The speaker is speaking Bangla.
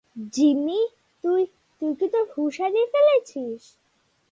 জিমি তুই- তুই কি তোর হুশ হারিয়ে ফেলেছিস?